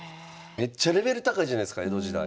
めっちゃレベル高いじゃないすか江戸時代。